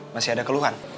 masih ada keluhan